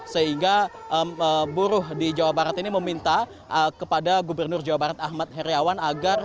sehingga buruh di jawa barat ini meminta kepada gubernur jawa barat ahmad heriawan agar